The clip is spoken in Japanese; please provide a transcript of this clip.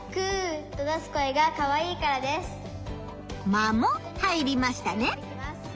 間も入りましたね。